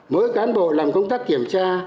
mỗi cán bộ làm công tác kiểm tra